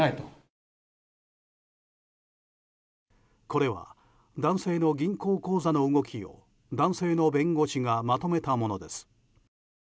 これは男性の銀行口座の動きを男性の弁護士がまとめたものです。